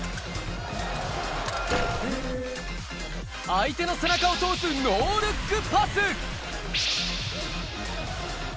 相手の背中を通すノールックパス。